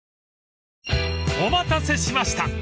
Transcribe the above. ［お待たせしました！